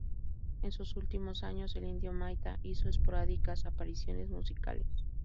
En sus últimos años el Indio Mayta hizo esporádicas apariciones musicales.